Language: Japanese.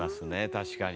確かに。